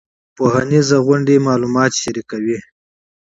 سیمینارونه معلومات شریکوي